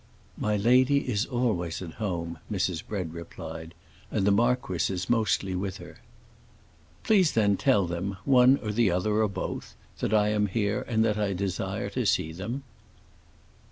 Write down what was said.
"My lady is always at home," Mrs. Bread replied, "and the marquis is mostly with her." "Please then tell them—one or the other, or both—that I am here and that I desire to see them."